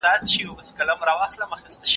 مخابراتو اقتصادي چاري ډېري اسانه کړي دي.